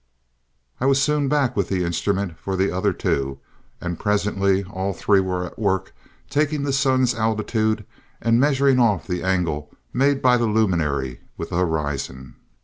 I soon was back with the instruments for the other two, and presently all three were at work taking the sun's altitude and measuring off the angle made by the luminary with the horizon.